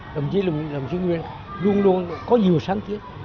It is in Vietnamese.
đồng chí lâm sĩ nguyên luôn luôn có nhiều sáng tiết